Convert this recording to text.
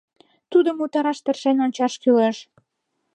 Тудым утараш тыршен ончаш кӱлеш.